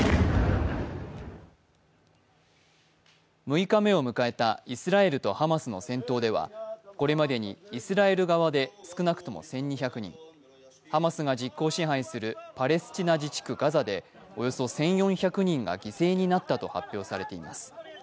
６日目を迎えたイスラエルとハマスの戦闘ではこれまでにイスラエル側で少なくとも１２００人、ハマスが実効支配するパレスチナ自治区ガザでおよそ１４００人が犠牲になったと発表されています。